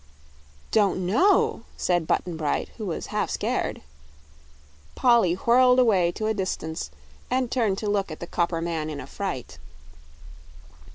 "Don't know," said Button Bright, who was half scared. Polly whirled away to a distance and turned to look at the copper man in a fright.